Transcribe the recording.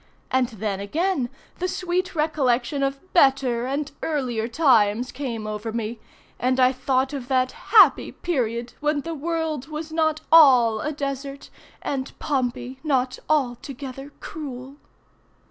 And then again the sweet recollection of better and earlier times came over me, and I thought of that happy period when the world was not all a desert, and Pompey not altogether cruel.